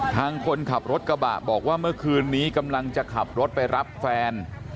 ทางคนขับรถกระบะบอกว่าเมื่อคืนนี้กำลังจะขับรถไปรับแฟน